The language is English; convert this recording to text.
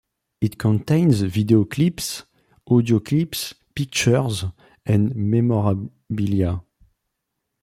It contains video clips, audio clips, pictures and memorabilia.